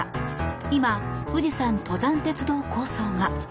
今、富士山登山鉄道構想が。